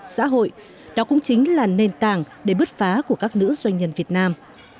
nó cũng chính là nền tảng để bứt phá của các nữ doanh nhân việt nam